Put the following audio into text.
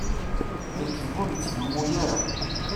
Lekdeb ur ittdummu ara.